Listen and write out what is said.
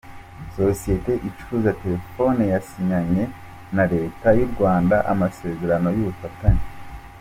Sosiyete icuruza terefone yasinyanye na Leta y’u Rwanda amasezerano y’ubufatanye